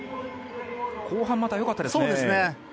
後半、またよかったですね。